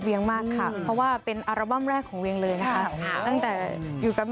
จงไปไว้สักรูปคลุ้มจงขา๒เพลงด้วยกัน